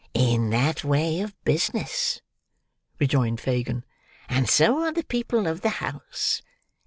"In that way of business," rejoined Fagin; "and so are the people of the house.